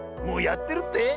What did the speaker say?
もうやってるって？